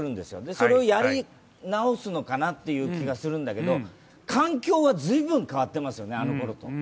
それをやり直すのかなっていう気がするんだけど環境は随分変わっていますよね、あのころと。